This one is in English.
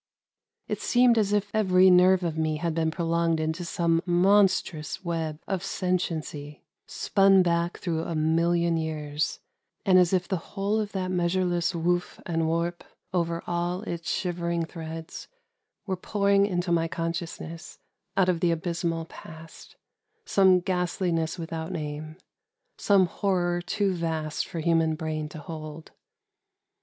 It seemed as if every nerve of me had been prolonged into some monstrous web of sentiency spun back through a million 292 WITHIN THE CIRCLE years, — and as if the whole of that measure less woof and warp, over all its shivering threads, were pouring into my consciousness, out of the abysmal past, some ghastliness with out name, — some horror too vast for human brain to hold.